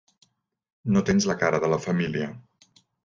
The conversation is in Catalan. No tens la cara de la família.